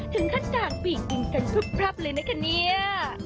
ถึงข้างบีกินกันพรุ่บเลยนะคะเนี้ย